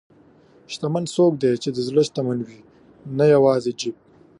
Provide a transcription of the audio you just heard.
شتمن څوک دی چې د زړه شتمن وي، نه یوازې جیب.